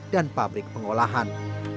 dan pabrik pengolahan